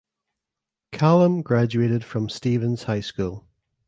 Callum graduated from Stevens High School.